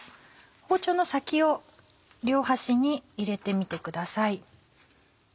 包丁の先を両端に入れてみてください。